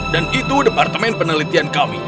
dan itu departemen penelitian kami